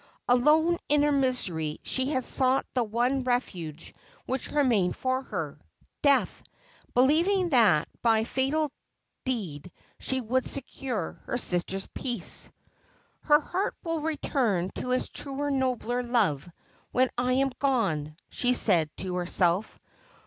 Alone in her misery, she had sought the one refuge which remained for her — death ; believing that by that fatal deed she would secure her sister's peace. ' His heart will return to its truer nobler love when I am gone,' she said to herself.